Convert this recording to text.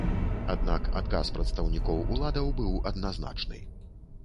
Аднак адказ прадстаўнікоў уладаў быў адназначны.